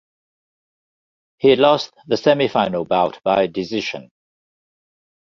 He lost the semifinal bout by decision.